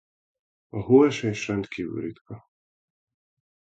A hóesés rendkívül ritka.